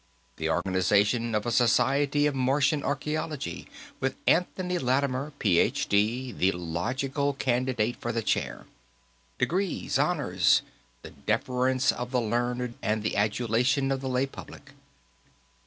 The organization of a Society of Martian Archaeology, with Anthony Lattimer, Ph.D., the logical candidate for the chair. Degrees, honors; the deference of the learned, and the adulation of the lay public.